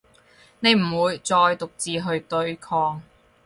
你唔會再獨自去對抗